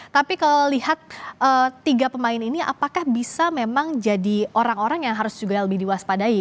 tapi kalau lihat tiga pemain ini apakah bisa memang jadi orang orang yang harus juga lebih diwaspadai